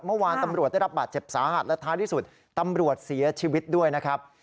เมื่อวานตำรวจได้รับบาดเจ็บสาหัสและท้ายที่สุดตำรวจเสียชีวิตด้วยนะครับ